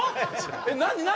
えっ何何？